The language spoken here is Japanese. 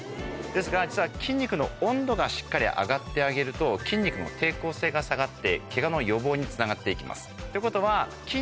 ですから実は筋肉の温度がしっかり上がってあげると筋肉の抵抗性が下がってケガの予防につながって行きます。